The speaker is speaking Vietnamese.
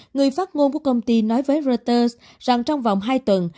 người phát ngôn của công ty nói với reuters rằng trong vòng hai tuần